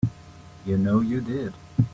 You know you did.